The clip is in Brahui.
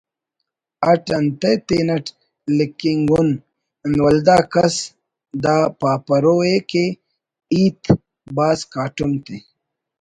اٹ انتئے تینٹ لکھنگ اُن ولدا کس دا پاپرو ءِ کہ ”ہیت بھاز کاٹم تے